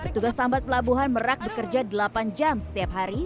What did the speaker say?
petugas tambat pelabuhan merak bekerja delapan jam setiap hari